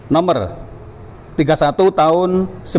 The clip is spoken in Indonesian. nomor tiga puluh satu tahun seribu sembilan ratus sembilan puluh